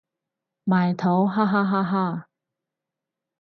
埋土哈哈哈哈